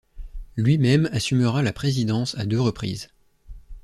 Lui-même assumera la présidence à deux reprises.